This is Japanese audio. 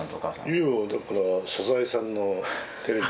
いやだから「サザエさん」のテレビ。